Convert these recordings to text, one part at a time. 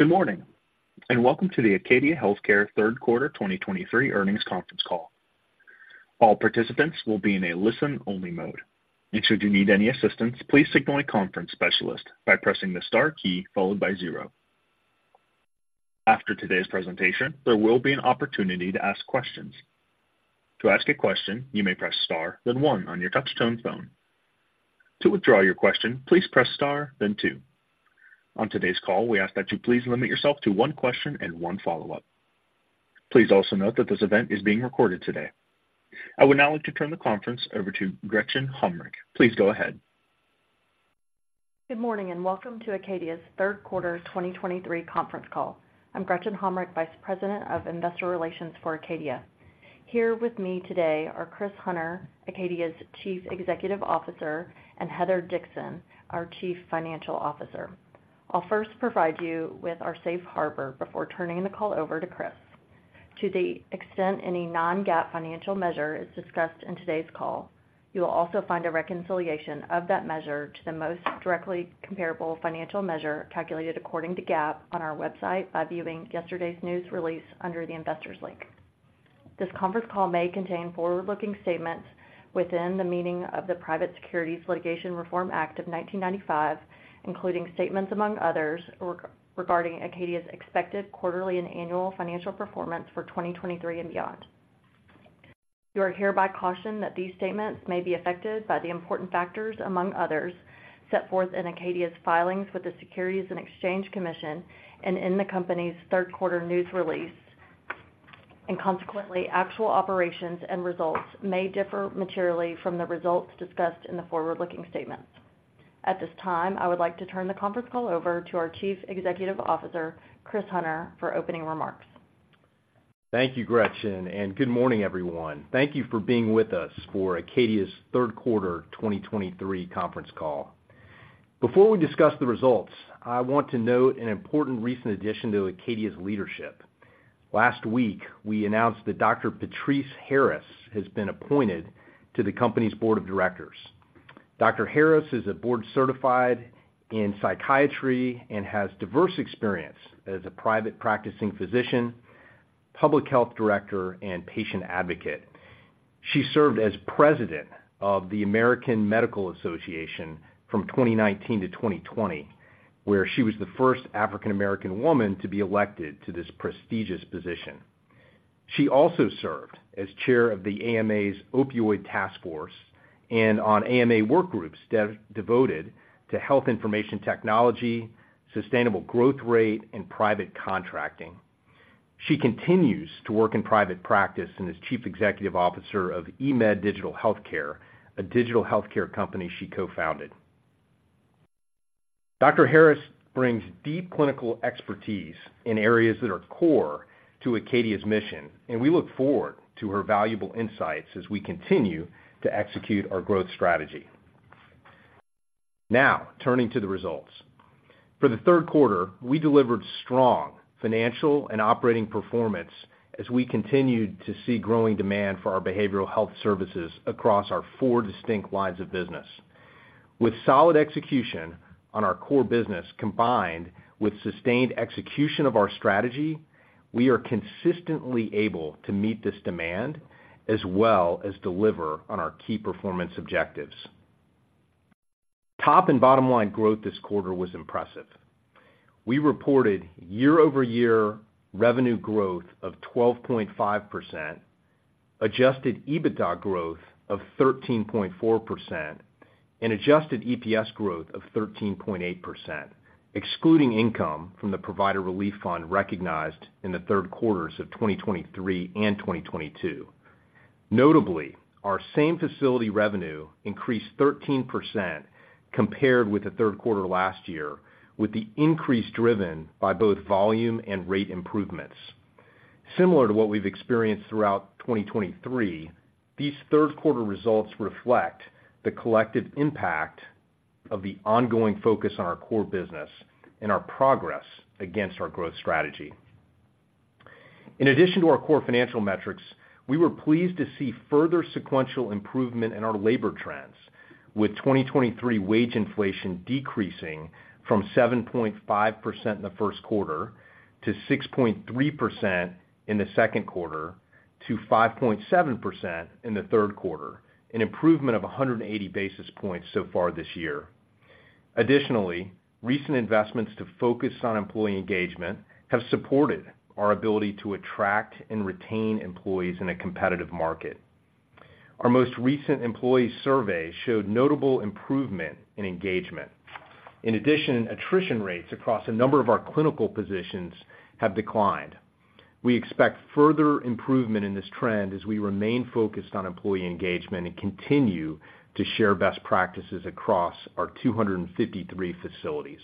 Good morning, and welcome to the Acadia Healthcare Q3 2023 Earnings Conference Call. All participants will be in a listen-only mode, and should you need any assistance, please signal a conference specialist by pressing the star key followed by zero. After today's presentation, there will be an opportunity to ask questions. To ask a question, you may press star, then one on your touch-tone phone. To withdraw your question, please press star then two. On today's call, we ask that you please limit yourself to one question and one follow-up. Please also note that this event is being recorded today. I would now like to turn the conference over to Gretchen Hommrich. Please go ahead. Good morning, and welcome to Acadia's Q3 2023 Conference Call. I'm Gretchen Hommrich, Vice President of Investor Relations for Acadia. Here with me today are Chris Hunter, Acadia's Chief Executive Officer, and Heather Dixon, our Chief Financial Officer. I'll first provide you with our safe harbor before turning the call over to Chris. To the extent any non-GAAP financial measure is discussed in today's call, you will also find a reconciliation of that measure to the most directly comparable financial measure calculated according to GAAP on our website by viewing yesterday's news release under the Investors link. This conference call may contain forward-looking statements within the meaning of the Private Securities Litigation Reform Act of 1995, including statements, among others, regarding Acadia's expected quarterly and annual financial performance for 2023 and beyond. You are hereby cautioned that these statements may be affected by the important factors, among others, set forth in Acadia's filings with the Securities and Exchange Commission and in the company's Q3 news release. And consequently, actual operations and results may differ materially from the results discussed in the forward-looking statements. At this time, I would like to turn the conference call over to our Chief Executive Officer, Chris Hunter, for opening remarks. Thank you, Gretchen, and good morning, everyone. Thank you for being with us for Acadia's Q3 2023 conference call. Before we discuss the results, I want to note an important recent addition to Acadia's leadership. Last week, we announced that Dr. Patrice Harris has been appointed to the company's board of directors. Dr. Harris is a board-certified psychiatrist and has diverse experience as a private practicing physician, public health director, and patient advocate. She served as president of the American Medical Association from 2019 to 2020, where she was the first African American woman to be elected to this prestigious position. She also served as chair of the AMA's Opioid Task Force and on AMA workgroups devoted to health information technology, sustainable growth rate, and private contracting. She continues to work in private practice and is Chief Executive Officer of eMed Digital Healthcare, a digital healthcare company she co-founded. Dr. Harris brings deep clinical expertise in areas that are core to Acadia's mission, and we look forward to her valuable insights as we continue to execute our growth strategy. Now, turning to the results. For the Q3, we delivered strong financial and operating performance as we continued to see growing demand for our behavioral health services across our four distinct lines of business. With solid execution on our core business, combined with sustained execution of our strategy, we are consistently able to meet this demand as well as deliver on our key performance objectives. Top and bottom line growth this quarter was impressive. We reported year-over-year revenue growth of 12.5%, adjusted EBITDA growth of 13.4%, and adjusted EPS growth of 13.8%, excluding income from the Provider Relief Fund recognized in the Q3s of 2023 and 2022. Notably, our same-facility revenue increased 13% compared with the Q3 last year, with the increase driven by both volume and rate improvements. Similar to what we've experienced throughout 2023, these Q3 results reflect the collective impact of the ongoing focus on our core business and our progress against our growth strategy. In addition to our core financial metrics, we were pleased to see further sequential improvement in our labor trends, with 2023 wage inflation decreasing from 7.5% in the Q1 to 6.3% in the Q2 to 5.7% in the Q3, an improvement of 180 basis points so far this year. Additionally, recent investments to focus on employee engagement have supported our ability to attract and retain employees in a competitive market. Our most recent employee survey showed notable improvement in engagement. In addition, attrition rates across a number of our clinical positions have declined. We expect further improvement in this trend as we remain focused on employee engagement and continue to share best practices across our 253 facilities.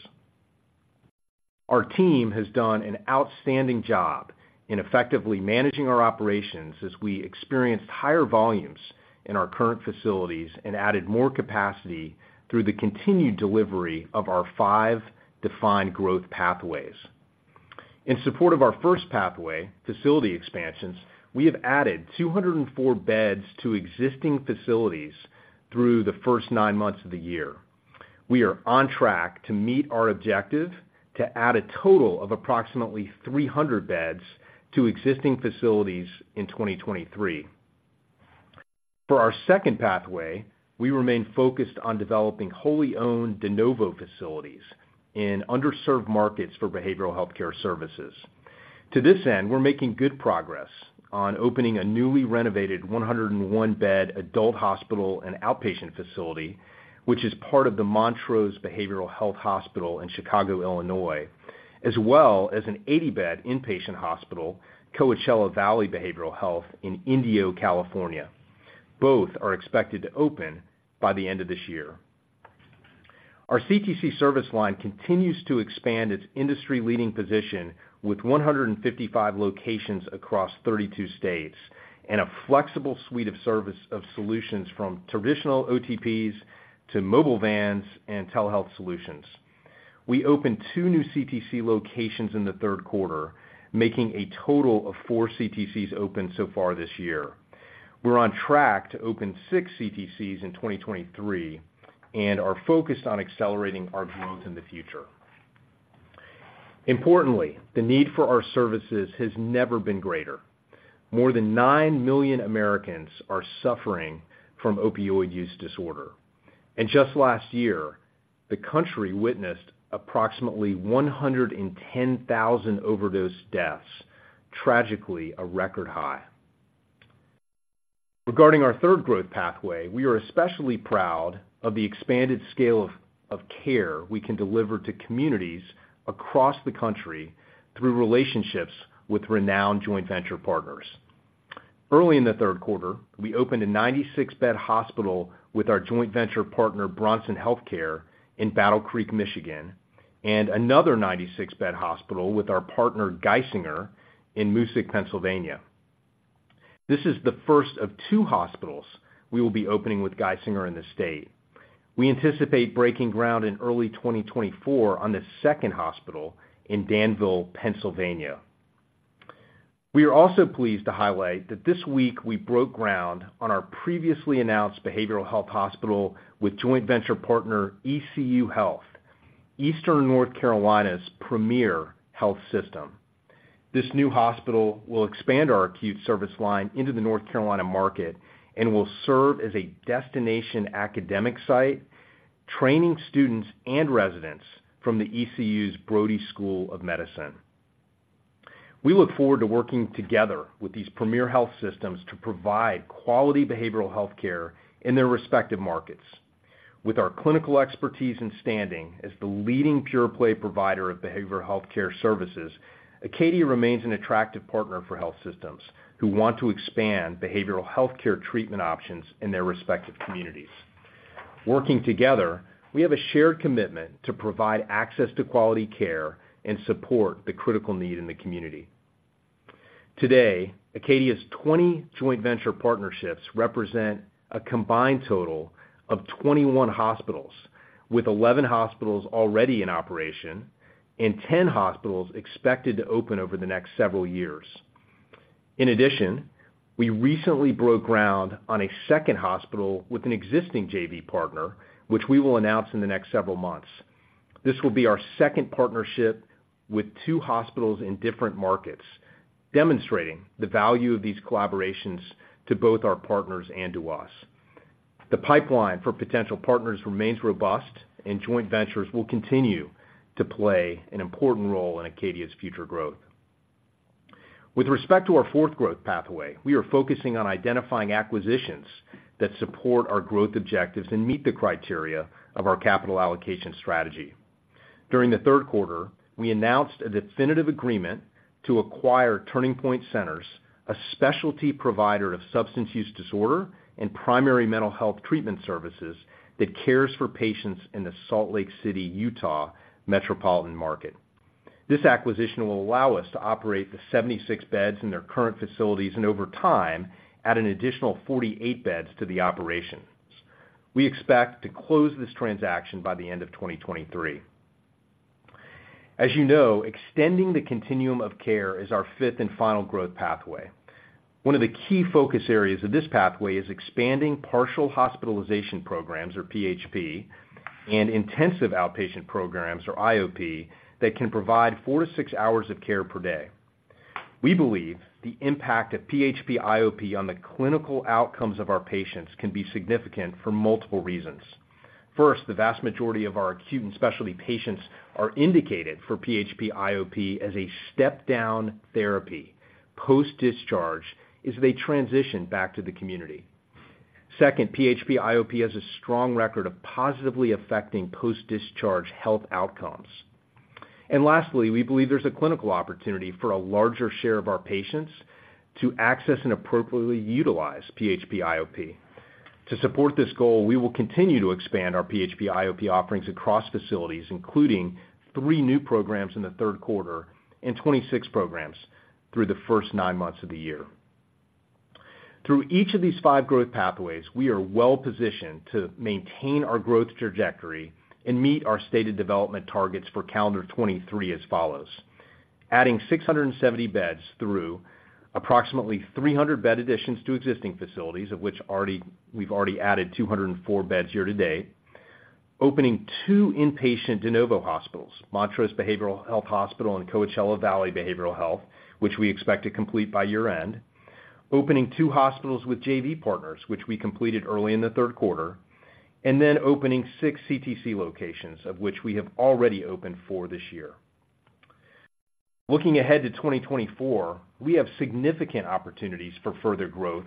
Our team has done an outstanding job in effectively managing our operations as we experienced higher volumes in our current facilities and added more capacity through the continued delivery of our five defined growth pathways. In support of our first pathway, facility expansions, we have added 204 beds to existing facilities through the first nine months of the year. We are on track to meet our objective to add a total of approximately 300 beds to existing facilities in 2023. For our second pathway, we remain focused on developing wholly owned de novo facilities in underserved markets for behavioral healthcare services. To this end, we're making good progress on opening a newly renovated 101-bed adult hospital and outpatient facility, which is part of the Montrose Behavioral Health Hospital in Chicago, Illinois, as well as an 80-bed inpatient hospital, Coachella Valley Behavioral Health, in Indio, California. Both are expected to open by the end of this year. Our CTC service line continues to expand its industry-leading position with 155 locations across 32 states and a flexible suite of service of solutions from traditional OTPs to mobile vans and telehealth solutions. We opened 2 new CTC locations in the Q3, making a total of 4 CTCs opened so far this year. We're on track to open 6 CTCs in 2023 and are focused on accelerating our growth in the future. Importantly, the need for our services has never been greater. More than 9 million Americans are suffering from opioid use disorder, and just last year, the country witnessed approximately 110,000 overdose deaths, tragically, a record high. Regarding our third growth pathway, we are especially proud of the expanded scale of care we can deliver to communities across the country through relationships with renowned joint venture partners. Early in the Q3, we opened a 96-bed hospital with our joint venture partner, Bronson Healthcare, in Battle Creek, Michigan, and another 96-bed hospital with our partner, Geisinger, in Moosic, Pennsylvania. This is the first of two hospitals we will be opening with Geisinger in the state. We anticipate breaking ground in early 2024 on the second hospital in Danville, Pennsylvania. We are also pleased to highlight that this week we broke ground on our previously announced behavioral health hospital with joint venture partner, ECU Health, Eastern North Carolina's premier health system. This new hospital will expand our acute service line into the North Carolina market and will serve as a destination academic site, training students and residents from the ECU's Brody School of Medicine. We look forward to working together with these premier health systems to provide quality behavioral health care in their respective markets. With our clinical expertise and standing as the leading pure-play provider of behavioral healthcare services, Acadia remains an attractive partner for health systems who want to expand behavioral healthcare treatment options in their respective communities. Working together, we have a shared commitment to provide access to quality care and support the critical need in the community. Today, Acadia's 20 joint venture partnerships represent a combined total of 21 hospitals, with 11 hospitals already in operation and 10 hospitals expected to open over the next several years. In addition, we recently broke ground on a second hospital with an existing JV partner, which we will announce in the next several months. This will be our second partnership with two hospitals in different markets, demonstrating the value of these collaborations to both our partners and to us. The pipeline for potential partners remains robust, and joint ventures will continue to play an important role in Acadia's future growth. With respect to our fourth growth pathway, we are focusing on identifying acquisitions that support our growth objectives and meet the criteria of our capital allocation strategy. During the Q3, we announced a definitive agreement to acquire Turning Point Centers, a specialty provider of substance use disorder and primary mental health treatment services that cares for patients in the Salt Lake City, Utah, metropolitan market. This acquisition will allow us to operate the 76 beds in their current facilities, and over time, add an additional 48 beds to the operations. We expect to close this transaction by the end of 2023. As you know, extending the continuum of care is our fifth and final growth pathway. One of the key focus areas of this pathway is expanding partial hospitalization programs, or PHP, and intensive outpatient programs, or IOP, that can provide 4-6 hours of care per day. We believe the impact of PHP/IOP on the clinical outcomes of our patients can be significant for multiple reasons. First, the vast majority of our acute and specialty patients are indicated for PHP/IOP as a step-down therapy post-discharge as they transition back to the community. Second, PHP/IOP has a strong record of positively affecting post-discharge health outcomes. And lastly, we believe there's a clinical opportunity for a larger share of our patients to access and appropriately utilize PHP/IOP. To support this goal, we will continue to expand our PHP/IOP offerings across facilities, including 3 new programs in the Q3 and 26 programs through the first 9 months of the year. Through each of these five growth pathways, we are well-positioned to maintain our growth trajectory and meet our stated development targets for calendar 2023 as follows: adding 670 beds through approximately 300 bed additions to existing facilities, of which we've already added 204 beds year-to-date. Opening two inpatient de novo hospitals, Montrose Behavioral Health Hospital and Coachella Valley Behavioral Health, which we expect to complete by year-end. Opening two hospitals with JV partners, which we completed early in the Q3, and then opening six CTC locations, of which we have already opened four this year. Looking ahead to 2024, we have significant opportunities for further growth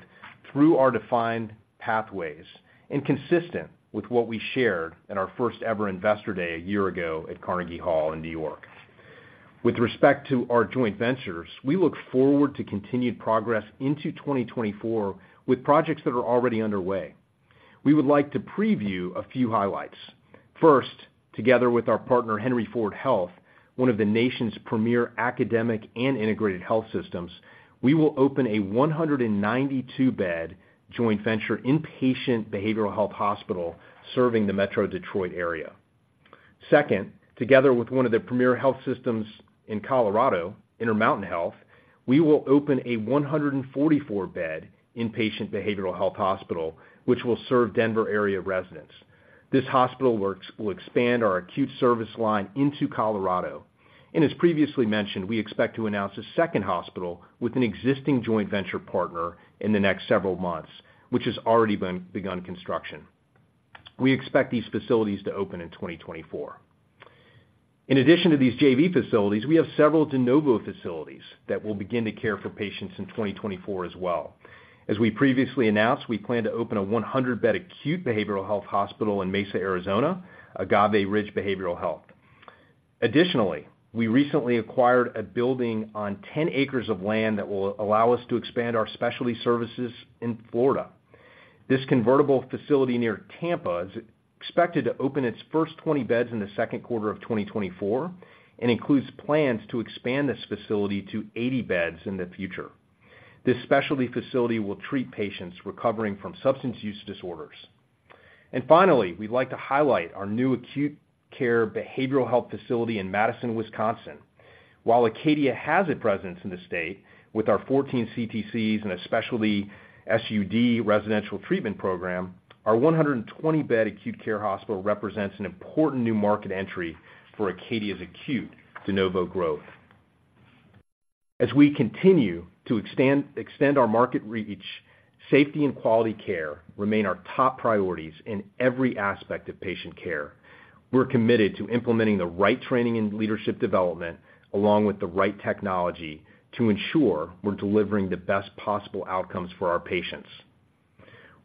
through our defined pathways and consistent with what we shared in our first-ever Investor Day a year ago at Carnegie Hall, New York. With respect to our joint ventures, we look forward to continued progress into 2024 with projects that are already underway. We would like to preview a few highlights. First, together with our partner, Henry Ford Health, one of the nation's premier academic and integrated health systems, we will open a 192-bed joint venture inpatient behavioral health hospital serving the Metro Detroit area. Second, together with one of the premier health systems in Colorado, Intermountain Health, we will open a 144-bed inpatient behavioral health hospital, which will serve Denver area residents. This hospital will expand our acute service line into Colorado, and as previously mentioned, we expect to announce a second hospital with an existing joint venture partner in the next several months, which has already begun construction. We expect these facilities to open in 2024. In addition to these JV facilities, we have several de novo facilities that will begin to care for patients in 2024 as well. As we previously announced, we plan to open a 100-bed acute behavioral health hospital in Mesa, Arizona, Agave Ridge Behavioral Health. Additionally, we recently acquired a building on 10 acres of land that will allow us to expand our specialty services in Florida. This convertible facility near Tampa is expected to open its first 20 beds in the Q2 of 2024 and includes plans to expand this facility to 80 beds in the future. This specialty facility will treat patients recovering from substance use disorders. Finally, we'd like to highlight our new acute care behavioral health facility in Madison, Wisconsin. While Acadia has a presence in the state with our 14 CTCs and a specialty SUD residential treatment program, our 120-bed acute care hospital represents an important new market entry for Acadia's acute de novo growth. As we continue to extend our market reach, safety and quality care remain our top priorities in every aspect of patient care. We're committed to implementing the right training and leadership development, along with the right technology to ensure we're delivering the best possible outcomes for our patients.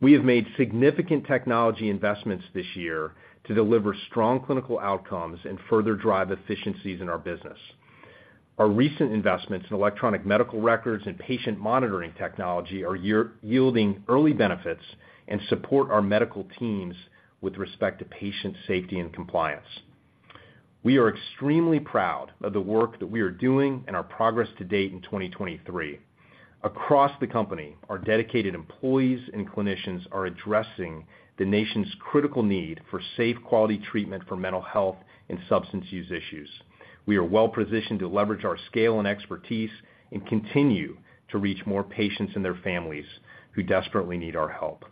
We have made significant technology investments this year to deliver strong clinical outcomes and further drive efficiencies in our business. Our recent investments in electronic medical records and patient monitoring technology are already yielding early benefits and support our medical teams with respect to patient safety and compliance. We are extremely proud of the work that we are doing and our progress to date in 2023. Across the company, our dedicated employees and clinicians are addressing the nation's critical need for safe, quality treatment for mental health and substance use issues. We are well-positioned to leverage our scale and expertise and continue to reach more patients and their families who desperately need our help.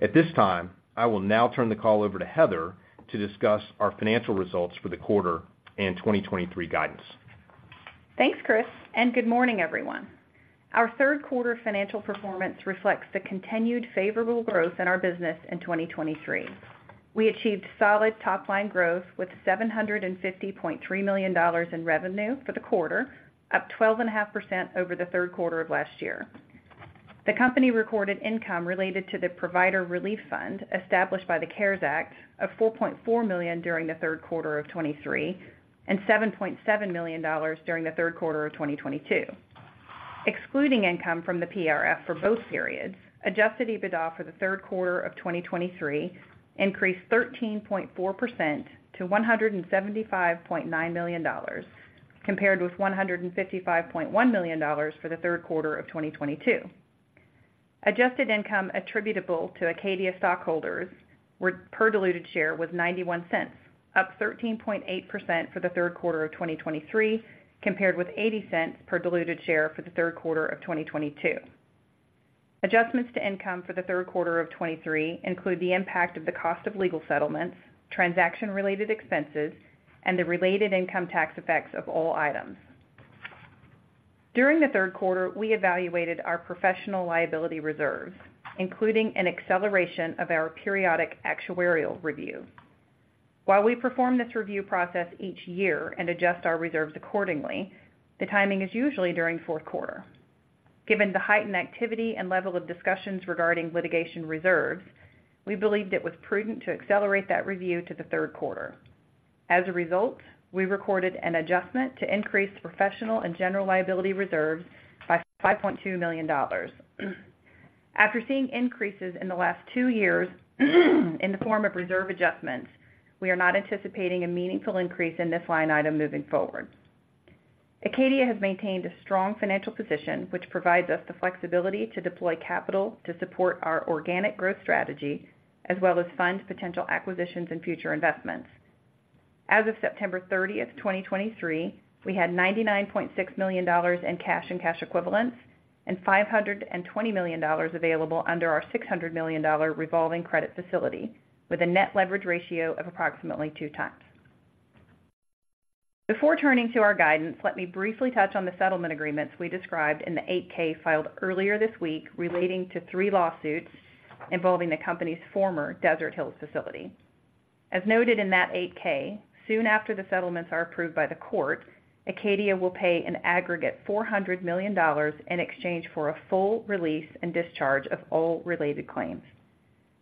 At this time, I will now turn the call over to Heather to discuss our financial results for the quarter and 2023 guidance. Thanks, Chris, and good morning, everyone. Our Q3 financial performance reflects the continued favorable growth in our business in 2023. We achieved solid top-line growth with $750.3 million in revenue for the quarter, up 12.5% over the Q3 of last year. The company recorded income related to the Provider Relief Fund, established by the CARES Act, of $4.4 million during the Q3 of 2023, and $7.7 million during the Q3 of 2022. Excluding income from the PRF for both periods, Adjusted EBITDA for the Q3 of 2023 increased 13.4% to $175.9 million, compared with $155.1 million for the Q3 of 2022. Adjusted income attributable to Acadia stockholders per diluted share was $0.91, up 13.8% for the Q3 of 2023, compared with $0.80 per diluted share for the Q3 of 2022. Adjustments to income for the Q3 of 2023 include the impact of the cost of legal settlements, transaction-related expenses, and the related income tax effects of all items. During the Q3, we evaluated our professional liability reserves, including an acceleration of our periodic actuarial review. While we perform this review process each year and adjust our reserves accordingly, the timing is usually during Q4. Given the heightened activity and level of discussions regarding litigation reserves, we believed it was prudent to accelerate that review to the Q3. As a result, we recorded an adjustment to increase professional and general liability reserves by $5.2 million. After seeing increases in the last two years, in the form of reserve adjustments, we are not anticipating a meaningful increase in this line item moving forward. Acadia has maintained a strong financial position, which provides us the flexibility to deploy capital to support our organic growth strategy, as well as fund potential acquisitions and future investments. As of September 30th, 2023, we had $99.6 million in cash and cash equivalents and $520 million available under our $600 million revolving credit facility, with a net leverage ratio of approximately 2x. Before turning to our guidance, let me briefly touch on the settlement agreements we described in the 8-K filed earlier this week, relating to three lawsuits involving the company's former Desert Hills facility. As noted in that 8-K, soon after the settlements are approved by the court, Acadia will pay an aggregate $400 million in exchange for a full release and discharge of all related claims.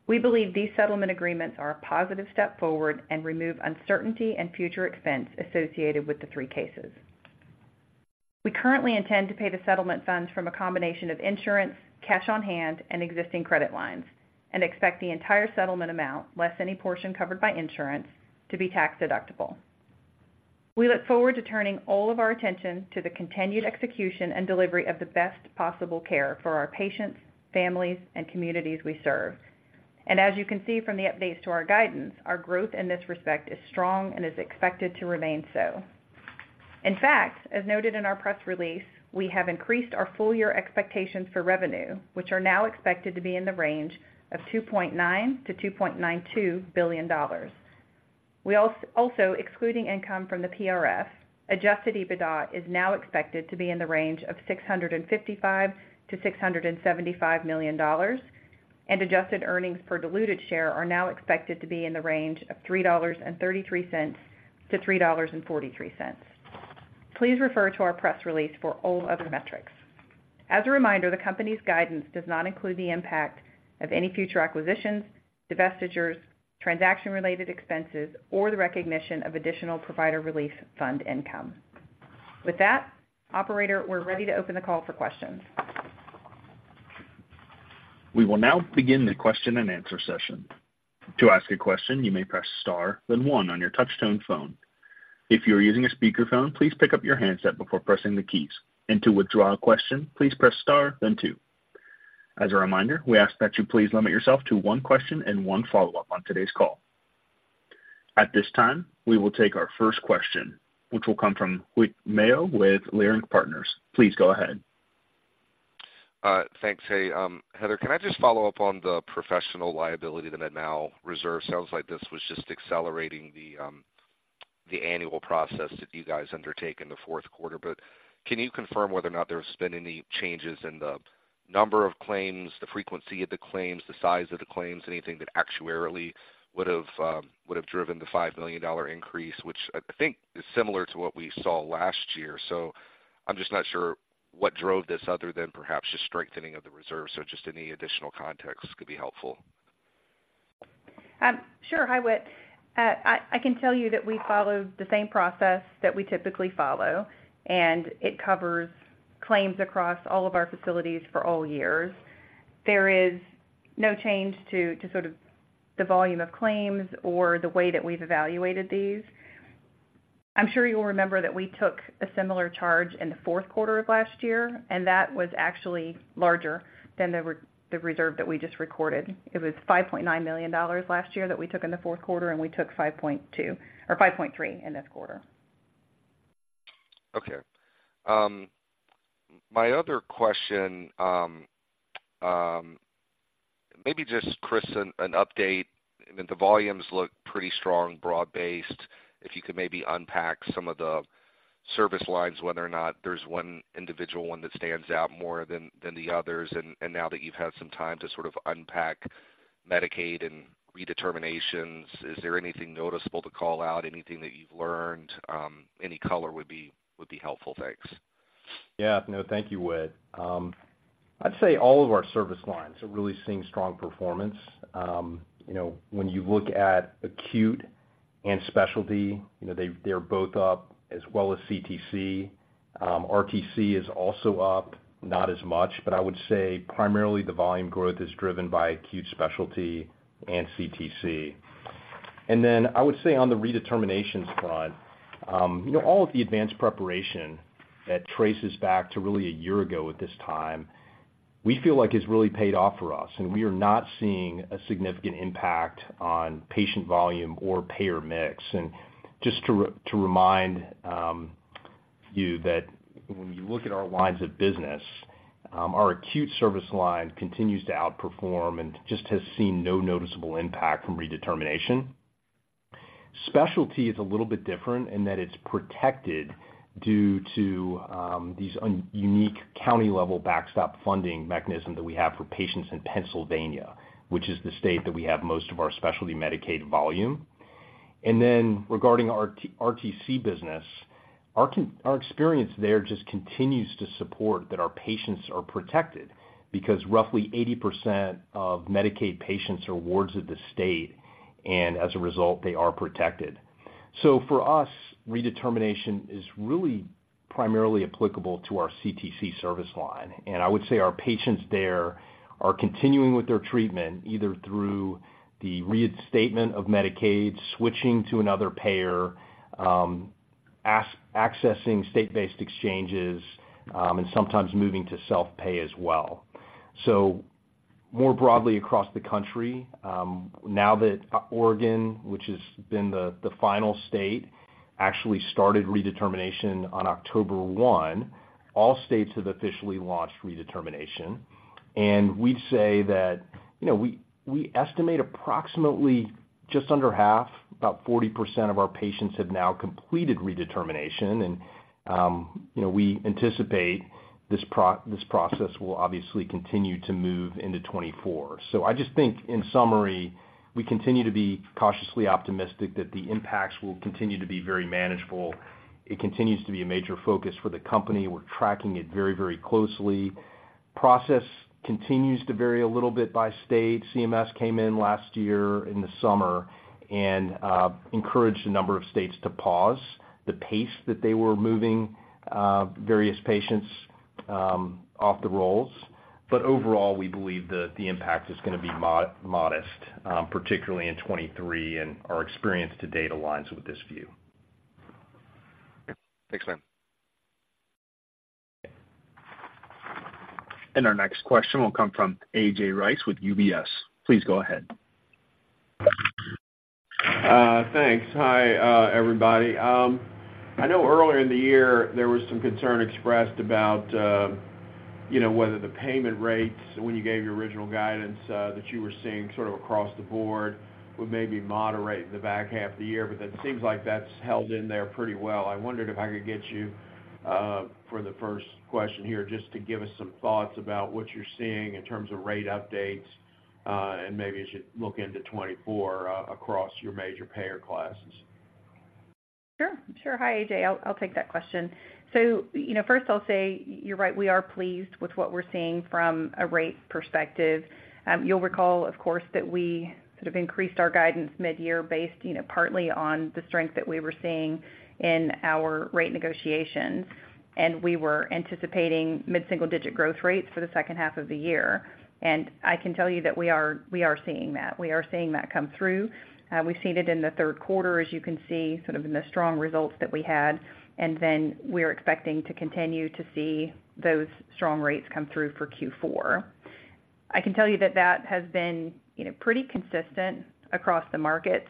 We believe these settlement agreements are a positive step forward and remove uncertainty and future expense associated with the three cases. We currently intend to pay the settlement funds from a combination of insurance, cash on hand, and existing credit lines, and expect the entire settlement amount, less any portion covered by insurance, to be tax-deductible. We look forward to turning all of our attention to the continued execution and delivery of the best possible care for our patients, families, and communities we serve. As you can see from the updates to our guidance, our growth in this respect is strong and is expected to remain so. In fact, as noted in our press release, we have increased our full year expectations for revenue, which are now expected to be in the range of $2.9 billion-$2.92 billion. We also, excluding income from the PRF, adjusted EBITDA is now expected to be in the range of $655 million-$675 million, and adjusted earnings per diluted share are now expected to be in the range of $3.33-$3.43. Please refer to our press release for all other metrics. As a reminder, the company's guidance does not include the impact of any future acquisitions, divestitures, transaction-related expenses, or the recognition of additional Provider Relief Fund income. With that, operator, we're ready to open the call for questions. We will now begin the question-and-answer session. To ask a question, you may press star, then one on your touchtone phone. If you are using a speakerphone, please pick up your handset before pressing the keys. To withdraw a question, please press star, then two. As a reminder, we ask that you please limit yourself to one question and one follow-up on today's call. At this time, we will take our first question, which will come from Whit Mayo with Leerink Partners. Please go ahead. Thanks. Hey, Heather, can I just follow up on the professional liability, the med mal reserve? Sounds like this was just accelerating the, the annual process that you guys undertake in the Q4. But can you confirm whether or not there's been any changes in the number of claims, the frequency of the claims, the size of the claims, anything that actuarially would have, would have driven the $5 million increase, which I, I think is similar to what we saw last year. So I'm just not sure what drove this other than perhaps just strengthening of the reserve. So just any additional context could be helpful. Sure. Hi, Whit. I can tell you that we followed the same process that we typically follow, and it covers claims across all of our facilities for all years. There is no change to sort of the volume of claims or the way that we've evaluated these. I'm sure you'll remember that we took a similar charge in the Q4 of last year, and that was actually larger than the reserve that we just recorded. It was $5.9 million last year that we took in the Q4, and we took $5.2 million or $5.3 million in this quarter. Okay. My other question, maybe just Chris, an update. I mean, the volumes look pretty strong, broad-based. If you could maybe unpack some of the service lines, whether or not there's one individual that stands out more than the others. And now that you've had some time to sort of unpack Medicaid and redeterminations, is there anything noticeable to call out, anything that you've learned? Any color would be helpful. Thanks. Yeah. No, thank you, Whit. I'd say all of our service lines are really seeing strong performance. You know, when you look at acute and specialty, you know, they, they're both up as well as CTC. RTC is also up, not as much, but I would say primarily the volume growth is driven by acute specialty and CTC. And then I would say on the redeterminations front, you know, all of the advanced preparation that traces back to really a year ago at this time, we feel like it's really paid off for us, and we are not seeing a significant impact on patient volume or payer mix. And just to remind you that when you look at our lines of business, our acute service line continues to outperform and just has seen no noticeable impact from redetermination. Specialty is a little bit different in that it's protected due to these unique county-level backstop funding mechanism that we have for patients in Pennsylvania, which is the state that we have most of our specialty Medicaid volume. And then regarding our RTC business, our experience there just continues to support that our patients are protected because roughly 80% of Medicaid patients are wards of the state, and as a result, they are protected. So for us, redetermination is really primarily applicable to our CTC service line. And I would say our patients there are continuing with their treatment, either through the reinstatement of Medicaid, switching to another payer, accessing state-based exchanges, and sometimes moving to self-pay as well. So more broadly across the country, now that Oregon, which has been the final state, actually started redetermination on October 1, all states have officially launched redetermination. And we'd say that, you know, we estimate approximately just under half, about 40% of our patients have now completed redetermination. And, you know, we anticipate this process will obviously continue to move into 2024. So I just think in summary, we continue to be cautiously optimistic that the impacts will continue to be very manageable. It continues to be a major focus for the company. We're tracking it very, very closely. Process continues to vary a little bit by state. CMS came in last year in the summer and encouraged a number of states to pause the pace that they were moving various patients off the rolls. But overall, we believe that the impact is gonna be modest, particularly in 2023, and our experience to date aligns with this view. Thanks, man. Our next question will come from A.J. Rice with UBS. Please go ahead. Thanks. Hi, everybody. I know earlier in the year, there was some concern expressed about, you know, whether the payment rates, when you gave your original guidance, that you were seeing sort of across the board, would maybe moderate in the back half of the year, but it seems like that's held in there pretty well. I wondered if I could get you, for the first question here, just to give us some thoughts about what you're seeing in terms of rate updates, and maybe as you look into 2024, across your major payer classes. Sure. Sure. Hi, A.J. I'll take that question. So, you know, first, I'll say you're right, we are pleased with what we're seeing from a rate perspective. You'll recall, of course, that we sort of increased our guidance mid-year based, you know, partly on the strength that we were seeing in our rate negotiations, and we were anticipating mid-single-digit growth rates for the H2. And I can tell you that we are seeing that. We are seeing that come through. We've seen it in the Q3, as you can see, sort of in the strong results that we had, and then we're expecting to continue to see those strong rates come through for Q4. I can tell you that that has been, you know, pretty consistent across the markets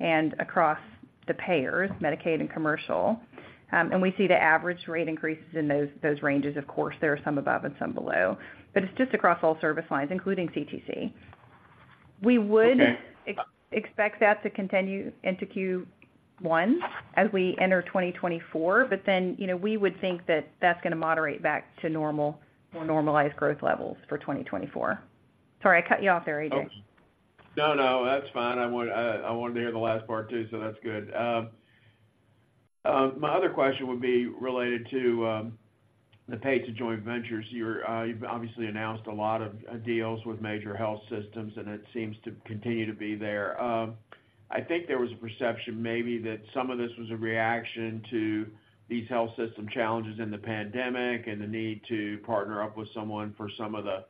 and across the payers, Medicaid and commercial. We see the average rate increases in those ranges. Of course, there are some above and some below, but it's just across all service lines, including CTC. Okay. We would expect that to continue into Q1 as we enter 2024, but then, you know, we would think that that's gonna moderate back to normal or normalized growth levels for 2024. Sorry, I cut you off there, A.J. No, no, that's fine. I want, I wanted to hear the last part, too, so that's good. My other question would be related to the Pay-to-Join ventures. You're, you've obviously announced a lot of deals with major health systems, and it seems to continue to be there. I think there was a perception maybe that some of this was a reaction to these health system challenges in the pandemic and the need to partner up with someone for some of the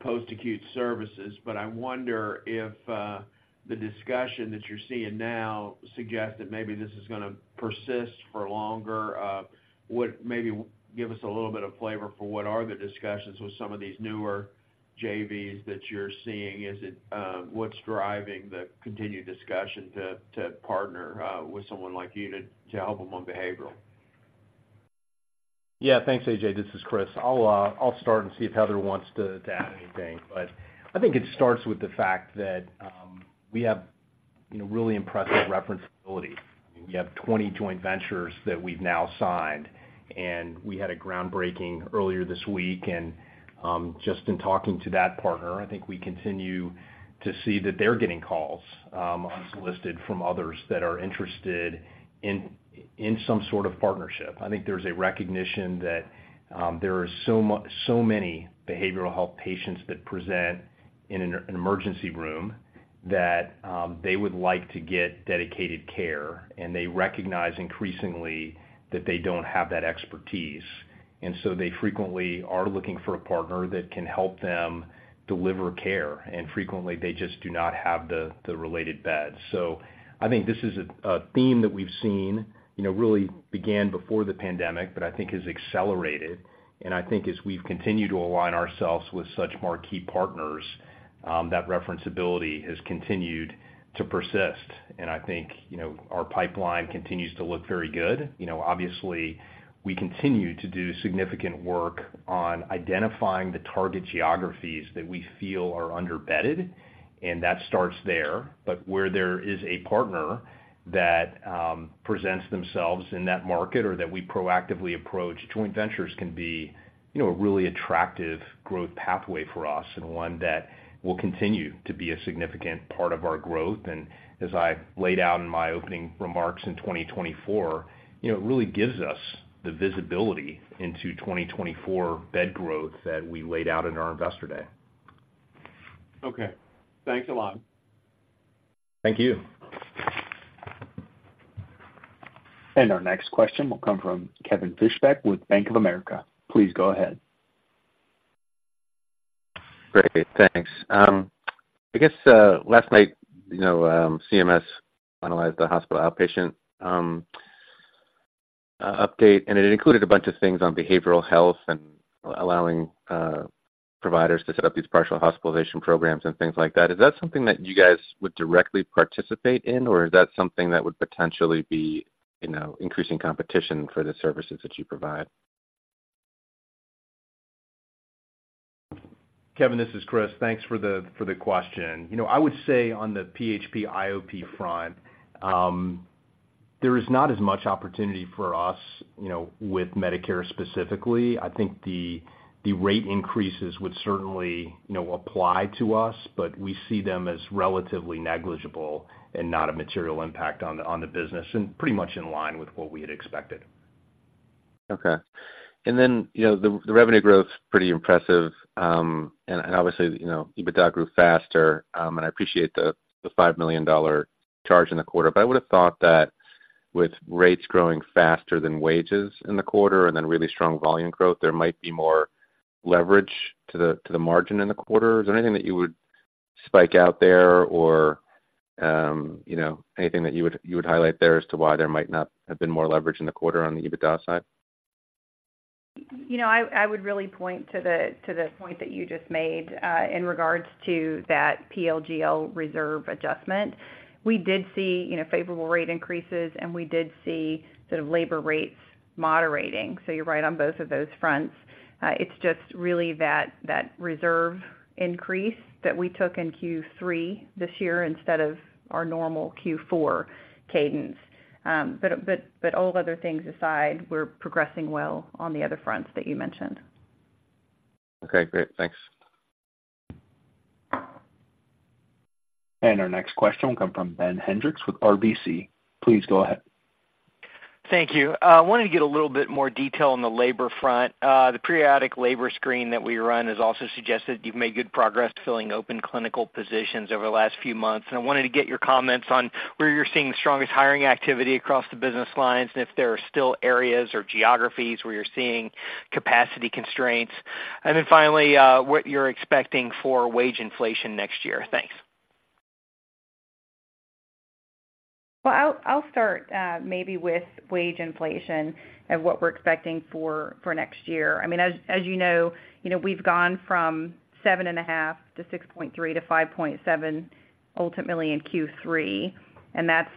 post-acute services. But I wonder if the discussion that you're seeing now suggests that maybe this is gonna persist for longer. Would maybe give us a little bit of flavor for what are the discussions with some of these newer JVs that you're seeing? Is it, what's driving the continued discussion to partner with someone like you to help them on behavioral? Yeah. Thanks, A.J. This is Chris. I'll start and see if Heather wants to add anything. But I think it starts with the fact that we have, you know, really impressive referenceability. We have 20 joint ventures that we've now signed, and we had a groundbreaking earlier this week, and just in talking to that partner, I think we continue to see that they're getting calls unsolicited from others that are interested in some sort of partnership. I think there's a recognition that there are so many behavioral health patients that present in an emergency room that they would like to get dedicated care, and they recognize increasingly that they don't have that expertise, and so they frequently are looking for a partner that can help them deliver care, and frequently they just do not have the related beds. So I think this is a theme that we've seen, you know, really began before the pandemic, but I think has accelerated. And I think as we've continued to align ourselves with such marquee partners that referenceability has continued to persist. And I think, you know, our pipeline continues to look very good. You know, obviously, we continue to do significant work on identifying the target geographies that we feel are underbedded, and that starts there. But where there is a partner that presents themselves in that market or that we proactively approach, joint ventures can be, you know, a really attractive growth pathway for us and one that will continue to be a significant part of our growth. And as I laid out in my opening remarks in 2024, you know, it really gives us the visibility into 2024 bed growth that we laid out in our Investor Day. Okay. Thanks a lot. Thank you. Our next question will come from Kevin Fischbeck with Bank of America. Please go ahead. Great, thanks. I guess, last night, you know, CMS analyzed the hospital outpatient update, and it included a bunch of things on behavioral health and allowing providers to set up these partial hospitalization programs and things like that. Is that something that you guys would directly participate in, or is that something that would potentially be, you know, increasing competition for the services that you provide? Kevin, this is Chris. Thanks for the question. You know, I would say on the PHP IOP front, there is not as much opportunity for us, you know, with Medicare specifically. I think the rate increases would certainly, you know, apply to us, but we see them as relatively negligible and not a material impact on the business, and pretty much in line with what we had expected. Okay. And then, you know, the revenue growth is pretty impressive, and obviously, you know, EBITDA grew faster, and I appreciate the $5 million charge in the quarter, but I would have thought that with rates growing faster than wages in the quarter and then really strong volume growth, there might be more leverage to the margin in the quarter. Is there anything that you would spike out there or, you know, anything that you would highlight there as to why there might not have been more leverage in the quarter on the EBITDA side? You know, I would really point to the point that you just made in regards to that PLGL reserve adjustment. We did see, you know, favorable rate increases, and we did see sort of labor rates moderating. So you're right on both of those fronts. It's just really that reserve increase that we took in Q3 this year instead of our normal Q4 cadence. But all other things aside, we're progressing well on the other fronts that you mentioned. Okay, great. Thanks. Our next question will come from Ben Hendrix with RBC. Please go ahead. Thank you. I wanted to get a little bit more detail on the labor front. The periodic labor screen that we run has also suggested you've made good progress filling open clinical positions over the last few months, and I wanted to get your comments on where you're seeing the strongest hiring activity across the business lines, and if there are still areas or geographies where you're seeing capacity constraints. And then finally, what you're expecting for wage inflation next year. Thanks. Well, I'll start maybe with wage inflation and what we're expecting for next year. I mean, as you know, you know, we've gone from 7.5% to 6.3% to 5.7%, ultimately in Q3, and that's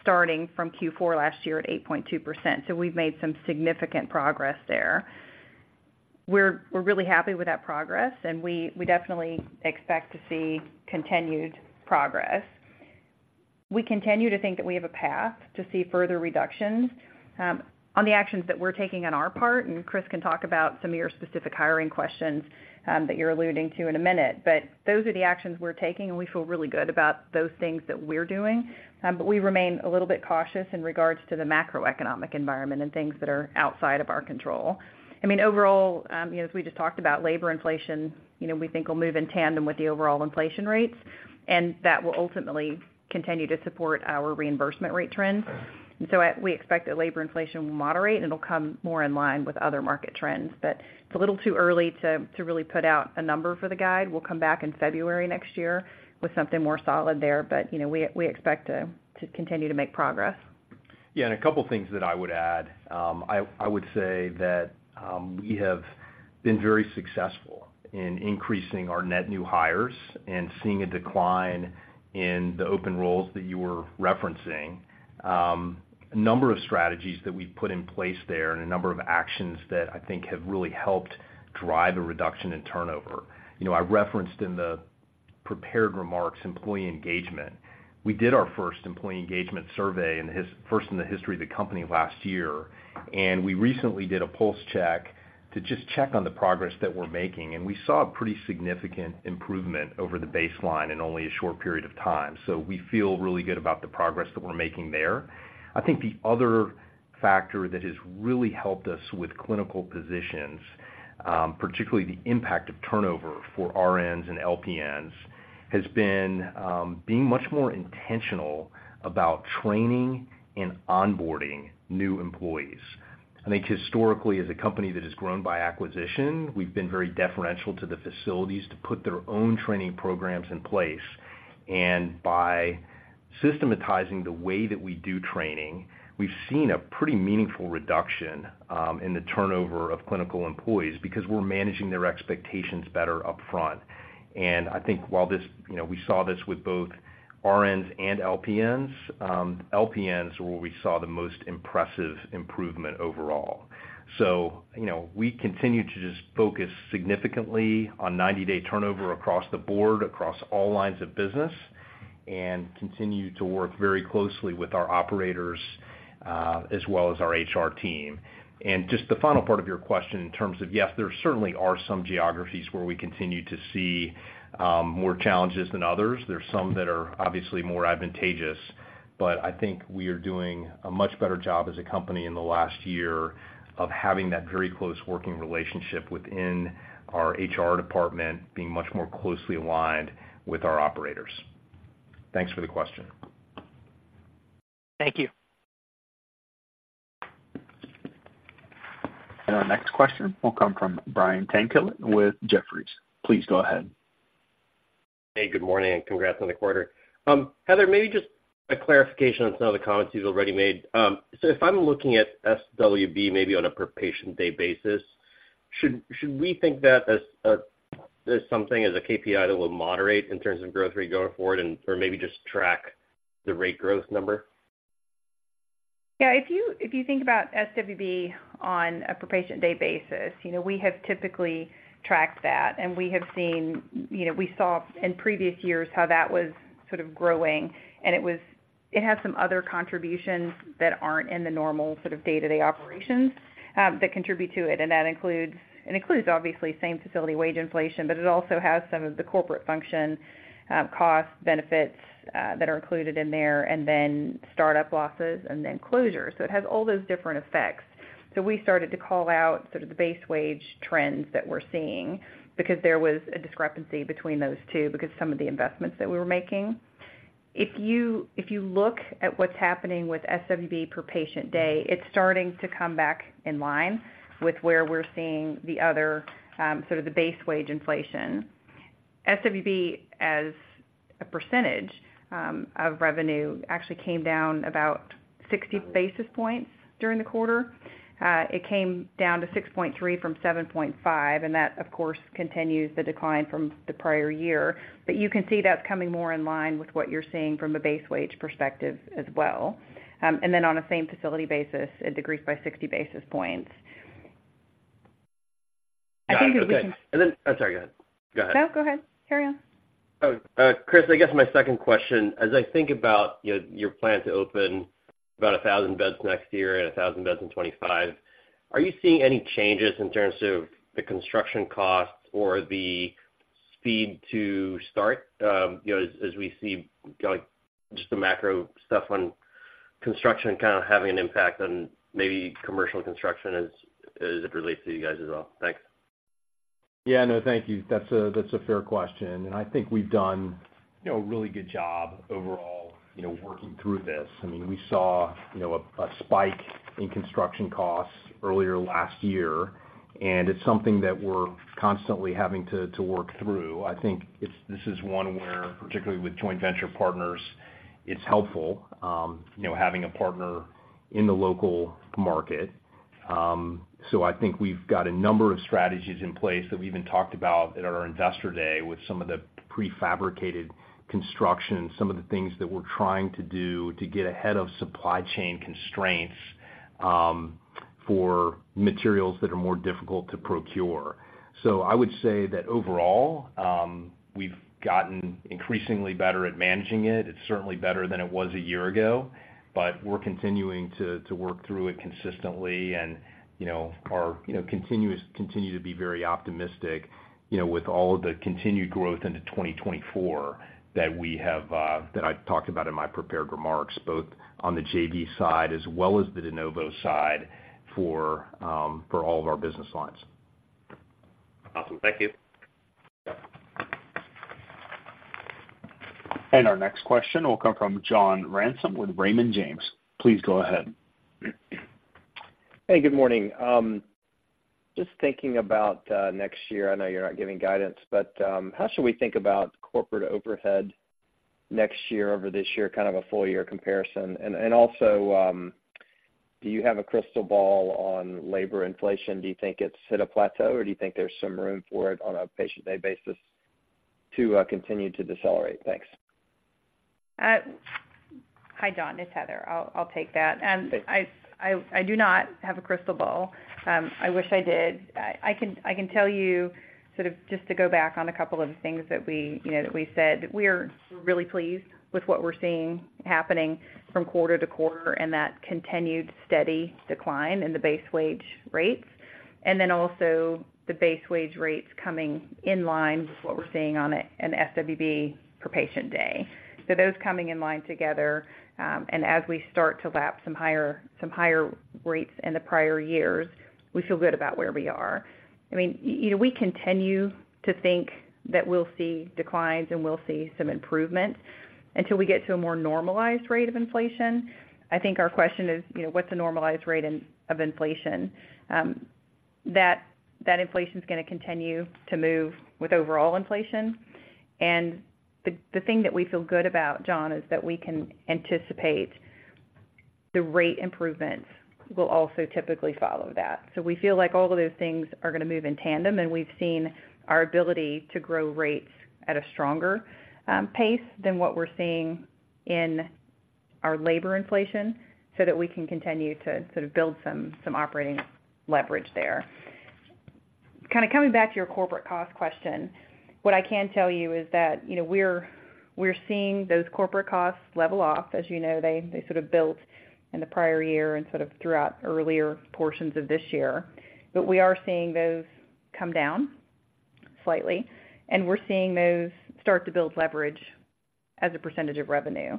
starting from Q4 last year at 8.2%. So we've made some significant progress there. We're really happy with that progress, and we definitely expect to see continued progress. We continue to think that we have a path to see further reductions on the actions that we're taking on our part, and Chris can talk about some of your specific hiring questions that you're alluding to in a minute. But those are the actions we're taking, and we feel really good about those things that we're doing. But we remain a little bit cautious in regards to the macroeconomic environment and things that are outside of our control. I mean, overall, you know, as we just talked about, labor inflation, you know, we think will move in tandem with the overall inflation rates, and that will ultimately continue to support our reimbursement rate trends. And so we expect that labor inflation will moderate, and it'll come more in line with other market trends. But it's a little too early to really put out a number for the guide. We'll come back in February next year with something more solid there, but, you know, we expect to continue to make progress. Yeah, and a couple of things that I would add. I would say that we have been very successful in increasing our net new hires and seeing a decline in the open roles that you were referencing. A number of strategies that we've put in place there and a number of actions that I think have really helped drive a reduction in turnover. You know, I referenced in the prepared remarks, employee engagement. We did our first employee engagement survey in its first in the history of the company last year, and we recently did a pulse check to just check on the progress that we're making, and we saw a pretty significant improvement over the baseline in only a short period of time. So we feel really good about the progress that we're making there. I think the other factor that has really helped us with clinical positions, particularly the impact of turnover for RNs and LPNs, has been being much more intentional about training and onboarding new employees. I think historically, as a company that has grown by acquisition, we've been very deferential to the facilities to put their own training programs in place. And by systematizing the way that we do training, we've seen a pretty meaningful reduction in the turnover of clinical employees because we're managing their expectations better upfront. And I think while this, you know, we saw this with both RNs and LPNs, LPNs were where we saw the most impressive improvement overall. So, you know, we continue to just focus significantly on 90-day turnover across the board, across all lines of business and continue to work very closely with our operators, as well as our HR team. And just the final part of your question in terms of, yes, there certainly are some geographies where we continue to see, more challenges than others. There are some that are obviously more advantageous, but I think we are doing a much better job as a company in the last year of having that very close working relationship within our HR department, being much more closely aligned with our operators. Thanks for the question. Thank you. Our next question will come from Brian Tanquilut with Jefferies. Please go ahead. Hey, good morning, and congrats on the quarter. Heather, maybe just a clarification on some of the comments you've already made. So if I'm looking at SWB, maybe on a per patient day basis, should we think that as as something as a KPI that will moderate in terms of growth rate going forward and or maybe just track the rate growth number? Yeah. If you, if you think about SWB on a per patient day basis, you know, we have typically tracked that, and we have seen, you know, we saw in previous years how that was sort of growing, and it was, it had some other contributions that aren't in the normal sort of day-to-day operations, that contribute to it. And that includes, it includes, obviously, same facility wage inflation, but it also has some of the corporate function cost benefits that are included in there, and then startup losses and then closures. So it has all those different effects. So we started to call out sort of the base wage trends that we're seeing because there was a discrepancy between those two because some of the investments that we were making. If you, if you look at what's happening with SWB per patient day, it's starting to come back in line with where we're seeing the other sort of the base wage inflation. SWB, as a percentage, of revenue, actually came down about 60 basis points during the quarter. It came down to 6.3 from 7.5, and that, of course, continues the decline from the prior year. But you can see that's coming more in line with what you're seeing from a base wage perspective as well. And then on a same facility basis, it decreased by 60 basis points. I think that we can- And then... I'm sorry, go ahead. Go ahead. No, go ahead. Carry on. Chris, I guess my second question, as I think about, you know, your plan to open about a thousand beds next year and a thousand beds in 2025, are you seeing any changes in terms of the construction costs or the speed to start? You know, as we see, like, just the macro stuff on construction kind of having an impact on maybe commercial construction as it relates to you guys as well. Thanks. Yeah. No, thank you. That's a fair question, and I think we've done, you know, a really good job overall, you know, working through this. I mean, we saw, you know, a spike in construction costs earlier last year, and it's something that we're constantly having to work through. I think it's. This is one where, particularly with joint venture partners, it's helpful, you know, having a partner in the local market. So I think we've got a number of strategies in place that we even talked about at our Investor Day with some of the prefabricated construction and some of the things that we're trying to do to get ahead of supply chain constraints for materials that are more difficult to procure. So I would say that overall, we've gotten increasingly better at managing it. It's certainly better than it was a year ago, but we're continuing to work through it consistently and, you know, continue to be very optimistic, you know, with all of the continued growth into 2024 that we have, that I talked about in my prepared remarks, both on the JV side as well as the de novo side for, for all of our business lines. Awesome. Thank you. Our next question will come from John Ransom with Raymond James. Please go ahead. Hey, good morning. Just thinking about next year, I know you're not giving guidance, but how should we think about corporate overhead next year over this year, kind of a full year comparison? And also, do you have a crystal ball on labor inflation? Do you think it's hit a plateau, or do you think there's some room for it on a patient day basis to continue to decelerate? Thanks. Hi, John, it's Heather. I'll take that. I do not have a crystal ball. I wish I did. I can tell you sort of just to go back on a couple of the things that we, you know, that we said, that we are really pleased with what we're seeing happening from quarter to quarter and that continued steady decline in the base wage rates, and then also the base wage rates coming in line with what we're seeing on an SWB per patient day. So those coming in line together, and as we start to lap some higher rates in the prior years, we feel good about where we are. I mean, you know, we continue to think that we'll see declines, and we'll see some improvement until we get to a more normalized rate of inflation. I think our question is, you know, what's the normalized rate in, of inflation? That inflation's going to continue to move with overall inflation. And the thing that we feel good about, John, is that we can anticipate the rate improvements will also typically follow that. So we feel like all of those things are going to move in tandem, and we've seen our ability to grow rates at a stronger pace than what we're seeing in our labor inflation, so that we can continue to sort of build some operating leverage there. Kind of coming back to your corporate cost question, what I can tell you is that, you know, we're seeing those corporate costs level off. As you know, they sort of built in the prior year and sort of throughout earlier portions of this year. But we are seeing those come down slightly, and we're seeing those start to build leverage as a percentage of revenue.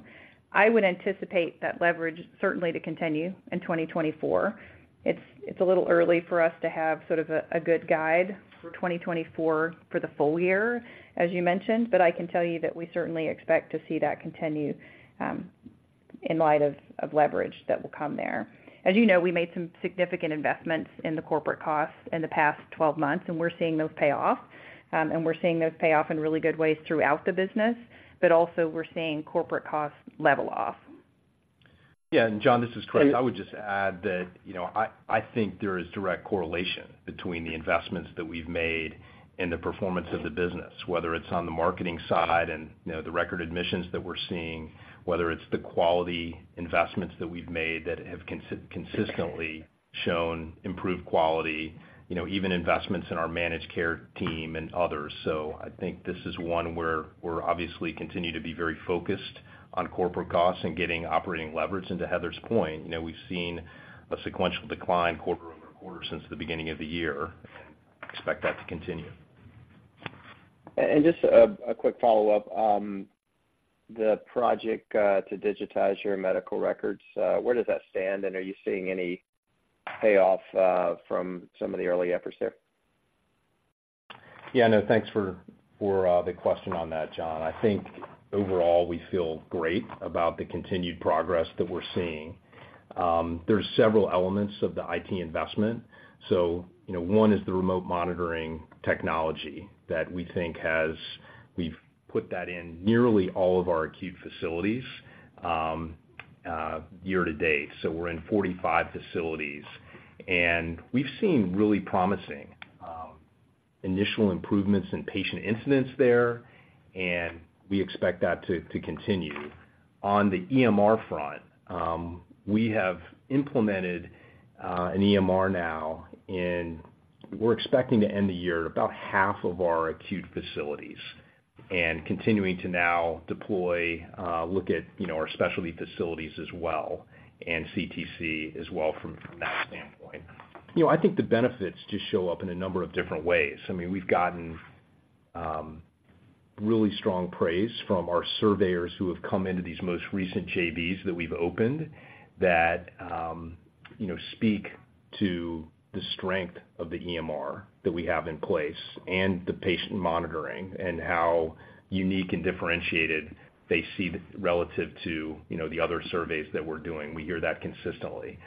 I would anticipate that leverage certainly to continue in 2024. It's a little early for us to have sort of a good guide for 2024 for the full year, as you mentioned, but I can tell you that we certainly expect to see that continue going forward in light of leverage that will come there. As you know, we made some significant investments in the corporate costs in the past 12 months, and we're seeing those pay off. We're seeing those pay off in really good ways throughout the business, but also we're seeing corporate costs level off. Yeah, and John, this is Chris. I would just add that, you know, I, I think there is direct correlation between the investments that we've made and the performance of the business, whether it's on the marketing side and, you know, the record admissions that we're seeing, whether it's the quality investments that we've made that have consistently shown improved quality, you know, even investments in our managed care team and others. So I think this is one where we're obviously continue to be very focused on corporate costs and getting operating leverage. Into Heather's point, you know, we've seen a sequential decline quarter over quarter since the beginning of the year, and expect that to continue. Just a quick follow-up. The project to digitize your medical records, where does that stand? Are you seeing any payoff from some of the early efforts there? Yeah, no, thanks for, for, the question on that, John. I think overall, we feel great about the continued progress that we're seeing. There's several elements of the IT investment. So, you know, one is the remote monitoring technology that we think has—we've put that in nearly all of our acute facilities year to date. So we're in 45 facilities, and we've seen really promising initial improvements in patient incidents there, and we expect that to continue. On the EMR front, we have implemented an EMR now, and we're expecting to end the year at about half of our acute facilities, and continuing to now deploy, look at, you know, our specialty facilities as well, and CTC as well from that standpoint. You know, I think the benefits just show up in a number of different ways. I mean, we've gotten, really strong praise from our surveyors who have come into these most recent JVs that we've opened, that, you know, speak to the strength of the EMR that we have in place and the patient monitoring, and how unique and differentiated they see relative to, you know, the other surveys that we're doing. We hear that consistently.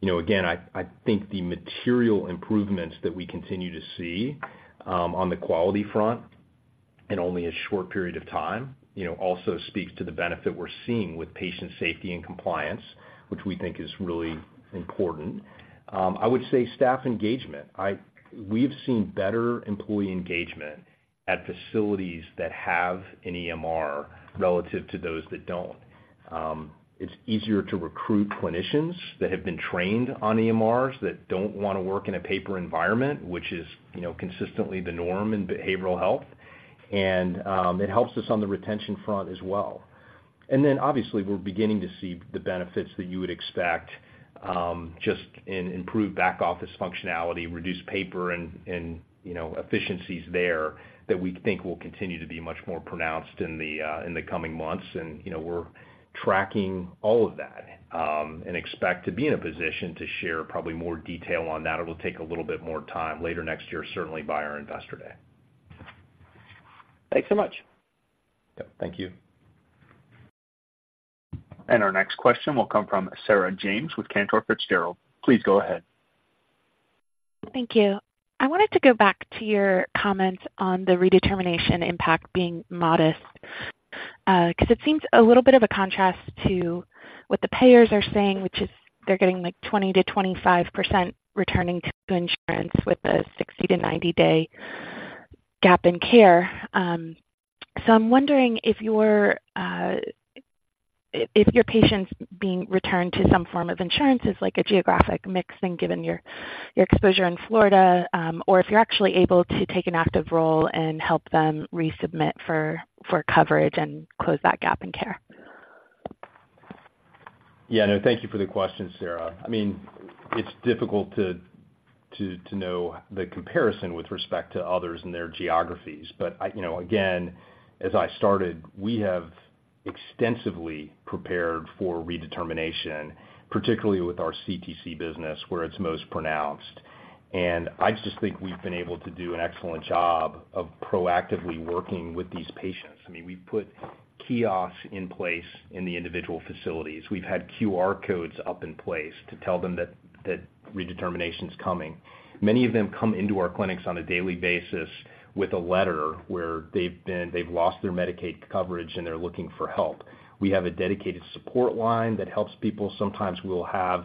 You know, again, I think the material improvements that we continue to see, on the quality front in only a short period of time, you know, also speaks to the benefit we're seeing with patient safety and compliance, which we think is really important. I would say staff engagement. We've seen better employee engagement at facilities that have an EMR relative to those that don't. It's easier to recruit clinicians that have been trained on EMRs, that don't want to work in a paper environment, which is, you know, consistently the norm in behavioral health. And it helps us on the retention front as well. And then, obviously, we're beginning to see the benefits that you would expect, just in improved back-office functionality, reduced paper and, you know, efficiencies there that we think will continue to be much more pronounced in the coming months. And, you know, we're tracking all of that and expect to be in a position to share probably more detail on that. It will take a little bit more time, later next year, certainly by our Investor Day. Thanks so much. Yeah. Thank you. Our next question will come from Sarah James with Cantor Fitzgerald. Please go ahead. Thank you. I wanted to go back to your comments on the redetermination impact being modest, 'cause it seems a little bit of a contrast to what the payers are saying, which is they're getting, like, 20%-25% returning to insurance with a 60-90-day gap in care. So I'm wondering if your patients being returned to some form of insurance is like a geographic mix, then given your exposure in Florida, or if you're actually able to take an active role and help them resubmit for coverage and close that gap in care. Yeah, no, thank you for the question, Sarah. I mean, it's difficult to know the comparison with respect to others and their geographies. But, you know, again, as I started, we have extensively prepared for redetermination, particularly with our CTC business, where it's most pronounced. And I just think we've been able to do an excellent job of proactively working with these patients. I mean, we've put kiosks in place in the individual facilities. We've had QR codes up in place to tell them that redetermination is coming. Many of them come into our clinics on a daily basis with a letter where they've lost their Medicaid coverage, and they're looking for help. We have a dedicated support line that helps people. Sometimes we'll have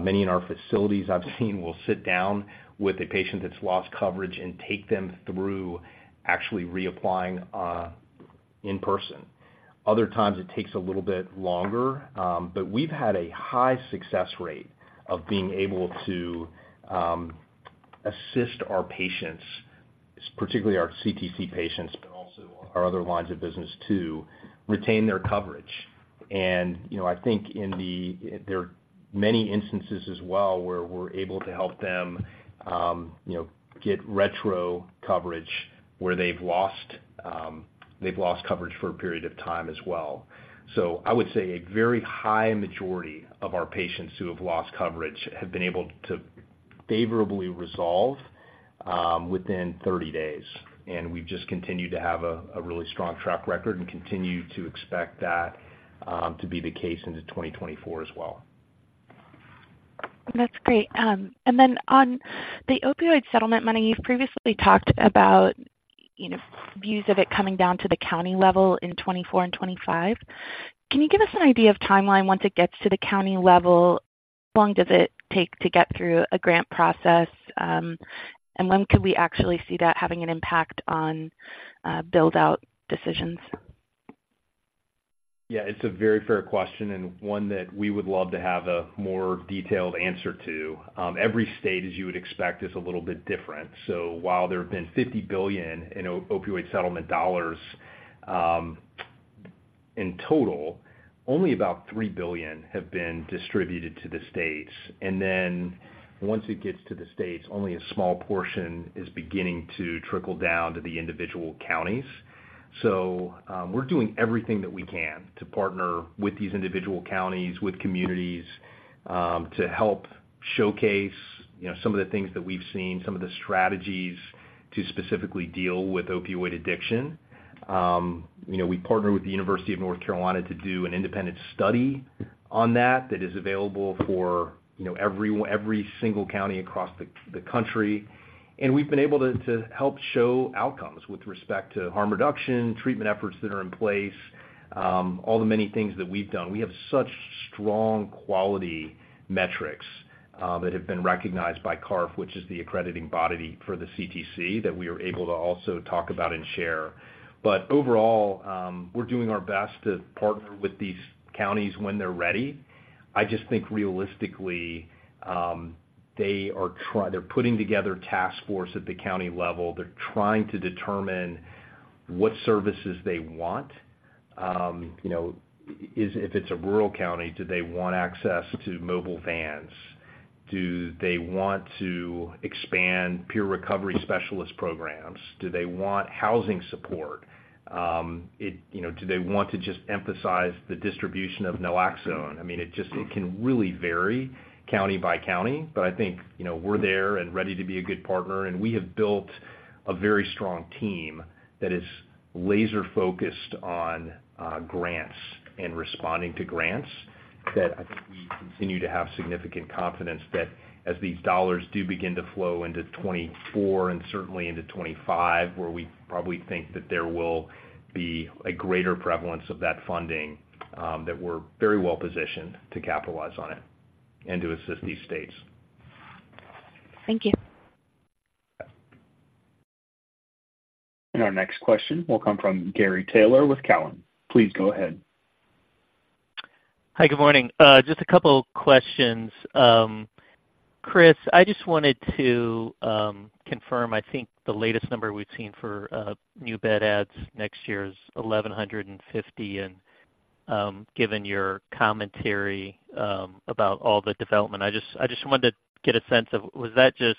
many in our facilities I've seen, will sit down with a patient that's lost coverage and take them through actually reapplying in person. Other times, it takes a little bit longer, but we've had a high success rate of being able to assist our patients, particularly our CTC patients, but also our other lines of business, to retain their coverage. And, you know, I think there are many instances as well, where we're able to help them, you know, get retro coverage where they've lost coverage for a period of time as well. So I would say a very high majority of our patients who have lost coverage have been able to favorably resolve within 30 days. We've just continued to have a really strong track record and continue to expect that to be the case into 2024 as well. That's great. And then on the opioid settlement money, you've previously talked about, you know, views of it coming down to the county level in 2024 and 2025. Can you give us an idea of timeline once it gets to the county level? How long does it take to get through a grant process, and when could we actually see that having an impact on build-out decisions? Yeah, it's a very fair question and one that we would love to have a more detailed answer to. Every state, as you would expect, is a little bit different. So while there have been $50 billion in opioid settlement dollars, in total, only about $3 billion have been distributed to the states. And then once it gets to the states, only a small portion is beginning to trickle down to the individual counties. So, we're doing everything that we can to partner with these individual counties, with communities, to help showcase, you know, some of the things that we've seen, some of the strategies to specifically deal with opioid addiction. You know, we partner with the University of North Carolina to do an independent study on that, that is available for, you know, every single county across the country. We've been able to help show outcomes with respect to harm reduction, treatment efforts that are in place, all the many things that we've done. We have such strong quality metrics that have been recognized by CARF, which is the accrediting body for the CTC, that we are able to also talk about and share. But overall, we're doing our best to partner with these counties when they're ready. I just think realistically, they are They're putting together a task force at the county level. They're trying to determine what services they want. You know, If it's a rural county, do they want access to mobile vans? Do they want to expand peer recovery specialist programs? Do they want housing support? You know, do they want to just emphasize the distribution of naloxone? I mean, it just, it can really vary county by county. But I think, you know, we're there and ready to be a good partner, and we have built a very strong team that is laser-focused on grants and responding to grants, that I think we continue to have significant confidence that as these dollars do begin to flow into 2024 and certainly into 2025, where we probably think that there will be a greater prevalence of that funding, that we're very well positioned to capitalize on it and to assist these states. Thank you. Our next question will come from Gary Taylor with Cowen. Please go ahead. Hi, good morning. Just a couple questions. Chris, I just wanted to confirm, I think the latest number we've seen for new bed adds next year is 1,150, and given your commentary about all the development, I just, I just wanted to get a sense of, was that just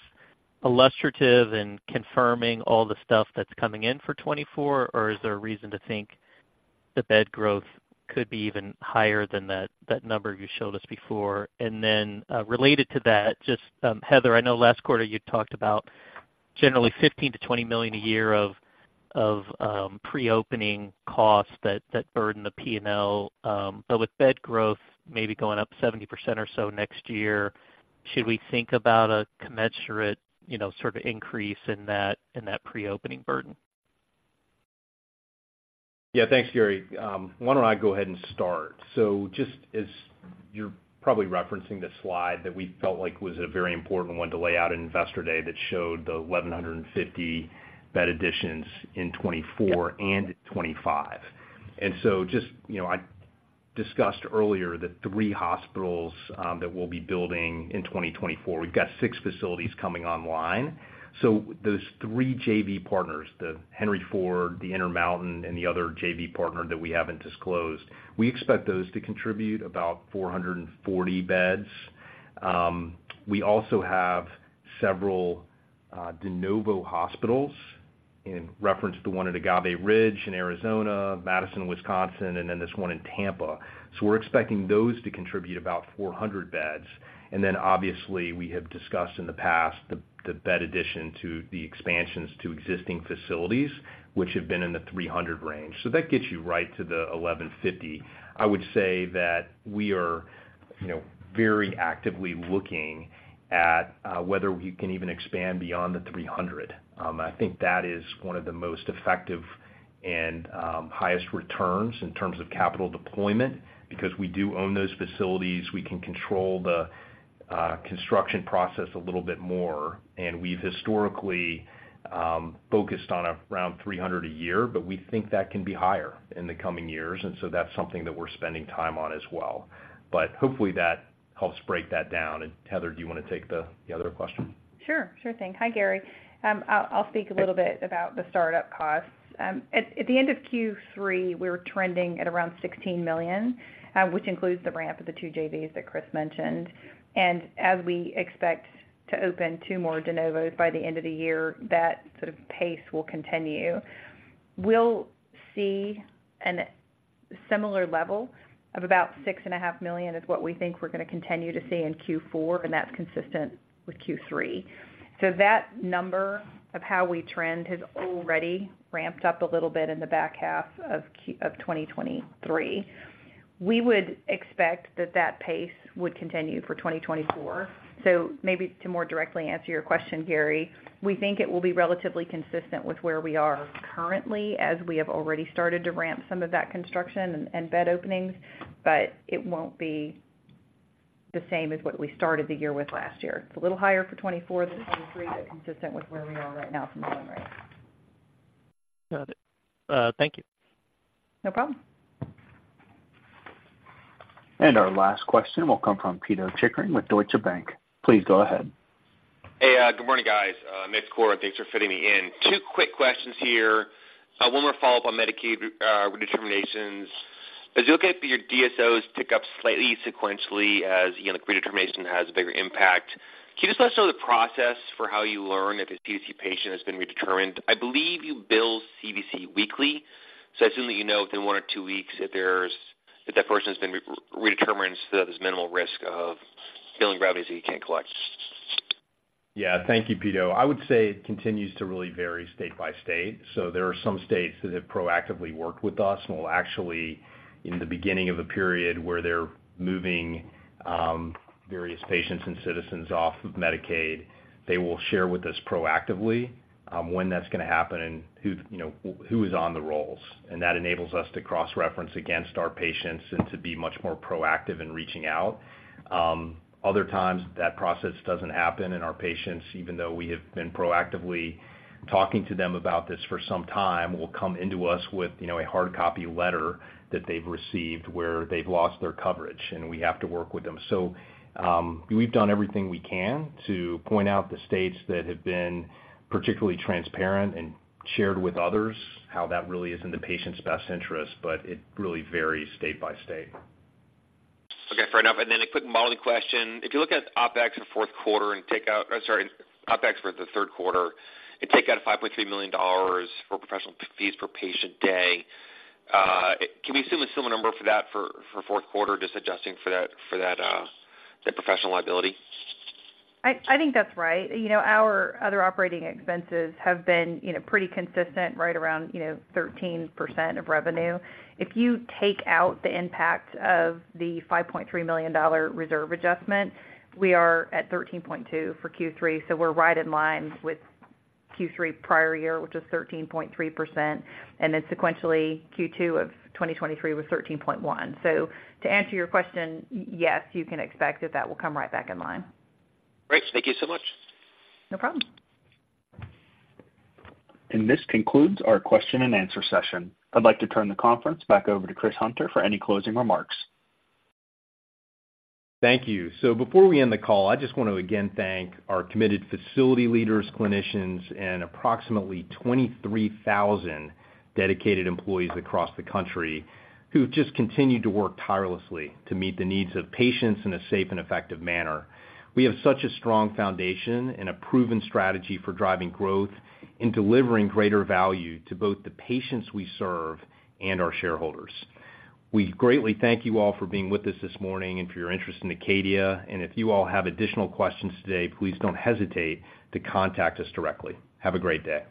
illustrative and confirming all the stuff that's coming in for 2024, or is there a reason to think the bed growth could be even higher than that, that number you showed us before? And then, related to that, just, Heather, I know last quarter you talked about generally $15 million-$20 million a year of pre-opening costs that burden the P&L, but with bed growth maybe going up 70% or so next year, should we think about a commensurate, you know, sort of increase in that pre-opening burden? Yeah. Thanks, Gary. Why don't I go ahead and start? So just as you're probably referencing the slide that we felt like was a very important one to lay out at Investor Day, that showed the 1,150 bed additions in 2024 and 2025. And so just, you know, I discussed earlier the three hospitals that we'll be building in 2024. We've got six facilities coming online. So those three JV partners, the Henry Ford, the Intermountain, and the other JV partner that we haven't disclosed, we expect those to contribute about 440 beds. We also have several de novo hospitals in reference to the one at Agave Ridge in Arizona, Madison, Wisconsin, and then this one in Tampa. So we're expecting those to contribute about 400 beds. Then obviously, we have discussed in the past the bed addition to the expansions to existing facilities, which have been in the 300 range. So that gets you right to the 1,150. I would say that we are, you know, very actively looking at whether we can even expand beyond the 300. I think that is one of the most effective and highest returns in terms of capital deployment, because we do own those facilities, we can control the construction process a little bit more, and we've historically focused on around 300 a year, but we think that can be higher in the coming years, and so that's something that we're spending time on as well. But hopefully, that helps break that down. And Heather, do you want to take the other question? Sure. Sure thing. Hi, Gary. I'll speak a little bit about the startup costs. At the end of Q3, we were trending at around $16 million, which includes the ramp of the 2 JVs that Chris mentioned. As we expect to open 2 more de novos by the end of the year, that sort of pace will continue. We'll see a similar level of about $6.5 million is what we think we're going to continue to see in Q4, and that's consistent with Q3. So that number of how we trend has already ramped up a little bit in the back half of 2023. We would expect that that pace would continue for 2024. Maybe to more directly answer your question, Gary, we think it will be relatively consistent with where we are currently, as we have already started to ramp some of that construction and bed openings, but it won't be the same as what we started the year with last year. It's a little higher for 2024 than 2023, but consistent with where we are right now from an opening rate. Got it. Thank you. No problem. Our last question will come from Pito Chickering with Deutsche Bank. Please go ahead. Hey, good morning, guys. Chris, Heather, thanks for fitting me in. 2 quick questions here. One more follow-up on Medicaid redeterminations. As you look at your DSOs tick up slightly sequentially, as you know, the redetermination has a bigger impact, can you just let us know the process for how you learn if a CTC patient has been redetermined? I believe you bill CTC weekly, so I assume that you know, within 1 or 2 weeks, if that person has been re-redetermined, so there's minimal risk of billing revenues that you can't collect. Yeah. Thank you, Peter. I would say it continues to really vary state by state. So there are some states that have proactively worked with us and will actually, in the beginning of a period where they're moving various patients and citizens off of Medicaid, they will share with us proactively when that's going to happen and who, you know, who is on the rolls. And that enables us to cross-reference against our patients and to be much more proactive in reaching out. Other times, that process doesn't happen, and our patients, even though we have been proactively talking to them about this for some time, will come into us with, you know, a hard copy letter that they've received where they've lost their coverage, and we have to work with them. So, we've done everything we can to point out the states that have been particularly transparent and shared with others how that really is in the patient's best interest, but it really varies state by state. Okay, fair enough. And then a quick modeling question. If you look at OpEx for Q4 and take out—I'm sorry, OpEx for the Q3 and take out $5.3 million for professional fees per patient day, can we assume a similar number for that for, for Q4, just adjusting for that, for that, that professional liability? I think that's right. You know, our other operating expenses have been, you know, pretty consistent, right around, you know, 13% of revenue. If you take out the impact of the $5.3 million reserve adjustment, we are at 13.2% for Q3, so we're right in line with Q3 prior year, which is 13.3%, and then sequentially, Q2 of 2023 was 13.1%. So to answer your question, yes, you can expect that that will come right back in line. Great. Thank you so much. No problem. This concludes our question and answer session. I'd like to turn the conference back over to Chris Hunter for any closing remarks. Thank you. Before we end the call, I just want to again thank our committed facility leaders, clinicians, and approximately 23,000 dedicated employees across the country who've just continued to work tirelessly to meet the needs of patients in a safe and effective manner. We have such a strong foundation and a proven strategy for driving growth and delivering greater value to both the patients we serve and our shareholders. We greatly thank you all for being with us this morning and for your interest in Acadia. If you all have additional questions today, please don't hesitate to contact us directly. Have a great day.